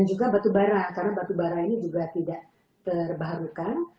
juga batubara karena batubara ini juga tidak terbarukan